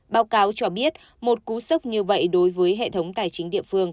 báo cáo cho biết một cú sốc như vậy đối với hệ thống tài chính địa phương